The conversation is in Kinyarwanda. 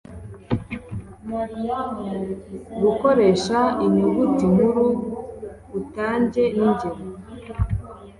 gukoresha inyuguti nkuru utangen'ingero